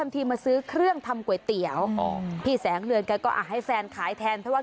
พี่แสงเดือนก็อ่อนให้แฟนขายแทนเพราะว่า